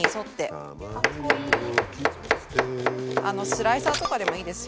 スライサーとかでもいいです